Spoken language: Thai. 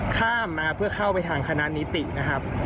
ข้ามมาเพื่อเข้าไปทางคณะนิตินะครับ